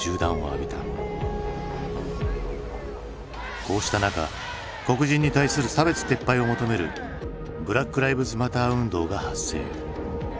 こうした中黒人に対する差別撤廃を求めるブラック・ライブズ・マター運動が発生。